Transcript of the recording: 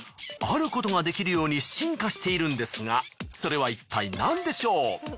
あることができるように進化しているんですがそれはいったい何でしょう？